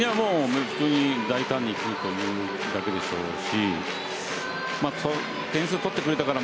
大胆にいくというだけでしょうし点数を取ってくれたから